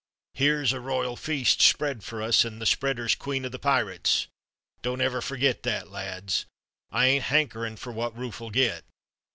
Here's a royal feast spread for us, an' th' spreader's queen o' th' pirates! Don't ever ferget that, lads. I ain't hankerin' fer what Rufe'll get.